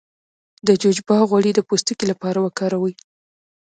د جوجوبا غوړي د پوستکي لپاره وکاروئ